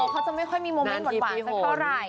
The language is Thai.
เขาจะไม่ค่อยมีมุมมิ้งหวานสักก็ไหร่